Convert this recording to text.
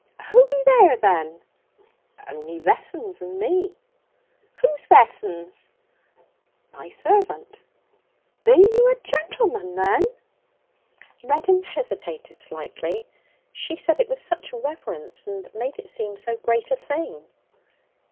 'Who be there, then?' 'Only Vessons and me.' 'Who's Vessons?' 'My servant.' 'Be you a gentleman, then?' Reddin hesitated slightly. She said it with such reverence and made it seem so great a thing.